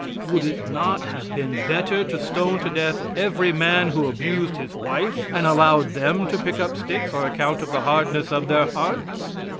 Would it not have been better to stone to death every man who abused his wife and allowed them to pick up sticks on account of the hardness of their hearts?